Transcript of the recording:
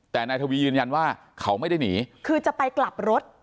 แต่นายทวียืนยันว่าเขาไม่ได้หนีคือจะไปกลับรถ